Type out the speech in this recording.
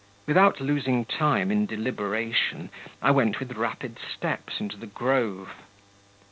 Without losing time in deliberation, I went with rapid steps into the grove.